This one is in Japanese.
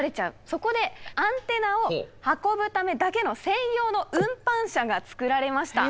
そこでアンテナを運ぶためだけの専用の運搬車が作られました。